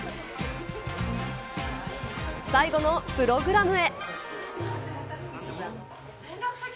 最後のプログラムへ。